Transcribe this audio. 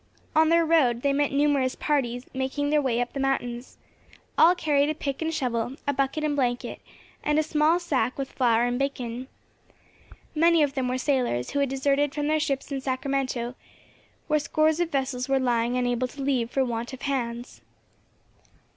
On their road they met numerous parties making their way up the mountains. All carried a pick and shovel, a bucket and blanket, and a small sack with flour and bacon. Many of them were sailors, who had deserted from their ships at San Francisco, where scores of vessels were lying unable to leave for want of hands.